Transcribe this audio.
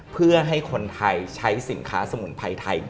เพื่อให้คนไทยใช้สินค้าสมุนไพรไทย